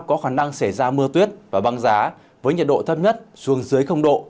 có khả năng xảy ra mưa tuyết và băng giá với nhiệt độ thấp nhất xuống dưới độ